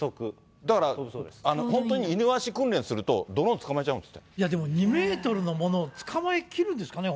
だから本当にイヌワシ訓練するとドローン捕まえちゃうんですでも、２メートルのものを捕まえきるんですかね？